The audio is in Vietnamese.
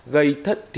gây thất thiệt hại